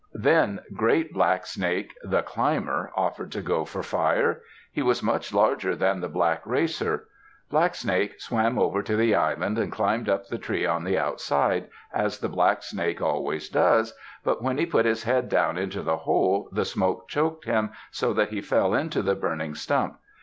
Then great Blacksnake, "The Climber," offered to go for fire. He was much larger than the black racer. Blacksnake swam over to the island and climbed up the tree on the outside, as the blacksnake always does, but when he put his head down into the hole the smoke choked him so that he fell into the burning stump.